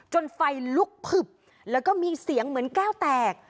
ไฟลุกผึบแล้วก็มีเสียงเหมือนแก้วแตก